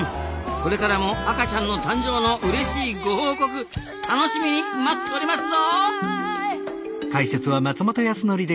これからも赤ちゃんの誕生のうれしいご報告楽しみに待っておりますぞ！